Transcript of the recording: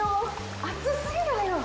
熱すぎないよ。